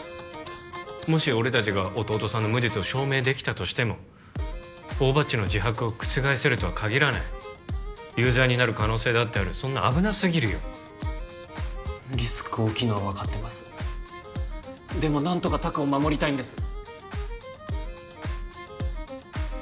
もし俺達が弟さんの無実を証明できたとしても大庭っちの自白を覆せるとは限らない有罪になる可能性だってあるそんな危なすぎるよリスク大きいのは分かってますでも何とか拓を守りたいんです